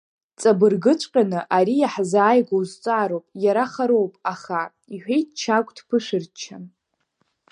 Ҵабыргыҵәҟьаны, ари иаҳзааигәоу зҵаароуп, иара хароуп, аха, — иҳәеит Чагә дԥышәырччан.